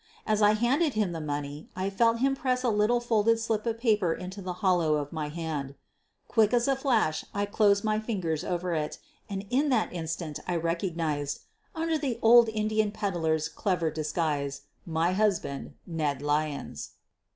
As I handed him the money I felt him press a little folded slip of paper into the hollow of my hand. Quick as a flash I closed my fingers over it, and in that instant I recognized — under the old Indian peddler's clever disguise — my husband, Ned Lyons.